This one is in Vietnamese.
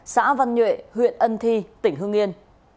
xã văn nhuệ huyện ân thi tỉnh hương yên